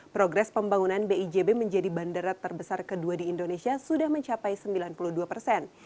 progres pembangunan bijb menjadi bandara terbesar kedua di indonesia sudah mencapai sembilan puluh dua persen